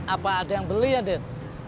apa ada yang beli ya dad